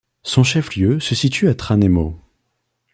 Son chef-lieu se situe à Tranemo.